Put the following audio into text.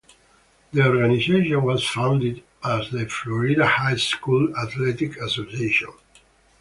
The organization was founded as the Florida High School Athletic Association.